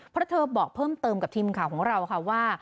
เพราะเธอบอกเพิ่มเติมกับทีมข่าวของเราค่ะว่า